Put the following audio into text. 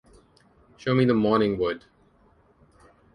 Show me the morning wood.